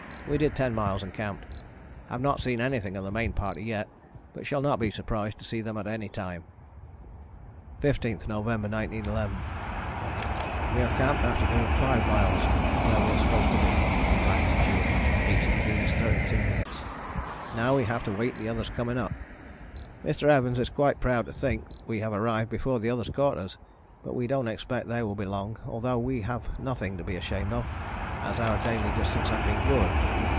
We did 10 miles and camped; have not seen anything of the main party yet but shall not be surprised to see them at any time. "15th November 1911. "We are camped after doing five miles where we are supposed to be [lat. 80° 32´]; now we have to wait the others coming up. Mr. Evans is quite proud to think we have arrived before the others caught us, but we don't expect they will be long although we have nothing to be ashamed of as our daily distance have been good.